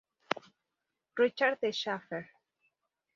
Richard D. Schafer.